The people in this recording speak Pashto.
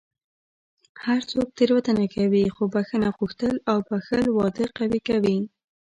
هر څوک تېروتنه کوي، خو بښنه غوښتل او بښل واده قوي کوي.